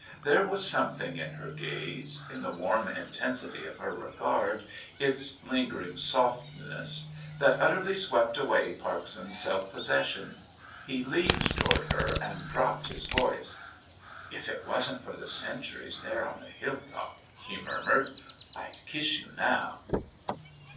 There was something in her gaze, in the warm intensity of her regard, its lingering softness, that utterly swept away Parkson's self possession. He leaned toward her and dropped his voice. "If it wasn't for the sentries there on the hill top," he murmured, "I'd kiss you now!"